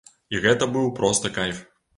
І гэта быў проста кайф.